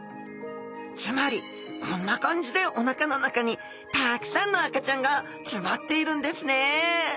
つまりこんな感じでお腹の中にたくさんの赤ちゃんが詰まっているんですね。